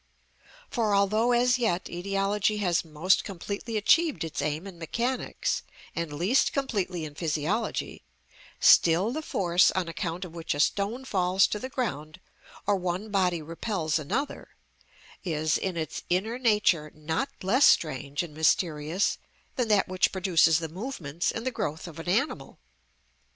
For although as yet etiology has most completely achieved its aim in mechanics, and least completely in physiology, still the force on account of which a stone falls to the ground or one body repels another is, in its inner nature, not less strange and mysterious than that which produces the movements and the growth of an animal.